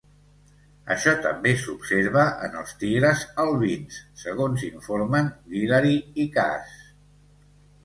Això també s'observa en els tigres albins, segons informen Guillery i Kaas.